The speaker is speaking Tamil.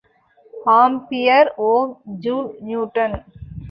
Ampere, ohm, joule, Newton.